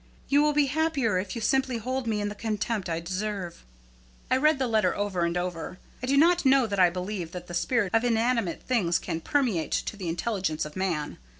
You will be happier if you simply hold me in the contempt I deserve." I read the letter over and over. I do not know that I believe that the spirit of inanimate things can permeate to the intelligence of man.